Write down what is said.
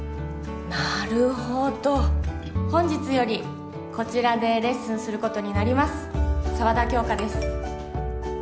なるほど本日よりこちらでレッスンすることになります沢田杏花です